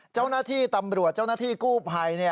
เจ้าหน้าที่ตำรวจเจ้าหน้าที่กู้ภัย